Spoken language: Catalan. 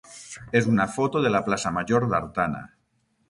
és una foto de la plaça major d'Artana.